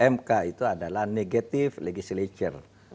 mk itu adalah negative legislature